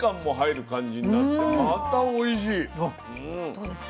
どうですか？